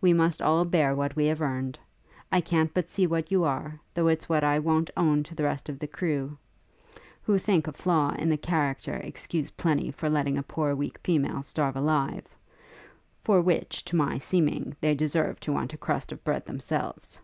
We must all bear what we have earned. I can't but see what you are, though it's what I won't own to the rest of the crew, who think a flaw in the character excuse plenty for letting a poor weak female starve alive; for which, to my seeming, they deserve to want a crust of bread themselves.